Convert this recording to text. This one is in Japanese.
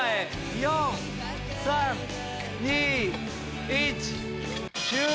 ４・３・２・１。